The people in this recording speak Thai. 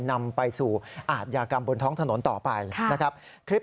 นำไปสู่อาทยากรรมบนท้องถนนต่อไปนะครับคลิป